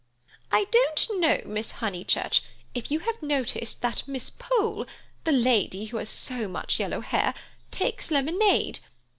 "I don't know, Miss Honeychurch, if you have noticed that Miss Pole, the lady who has so much yellow hair, takes lemonade.